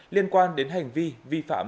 liên quan đến hành vi vi phạm